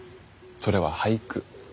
それは俳句。